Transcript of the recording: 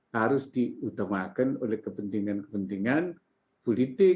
harus diutamakan oleh kepentingan kepentingan politik